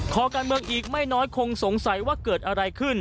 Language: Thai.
คอการเมืองอีกไม่น้อยคงสงสัยว่าเกิดอะไรขึ้น